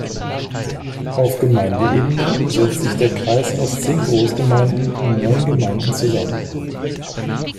Auf Gemeindeebene setzt sich der Kreis aus zehn Großgemeinden und neun Gemeinden zusammen.